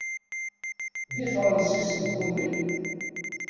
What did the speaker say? D Ifransisen, kenwi?